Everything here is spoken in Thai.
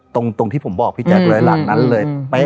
ตรงที่ผมบอกพี่แจ๊คเลยหลังนั้นเลยเป๊ะ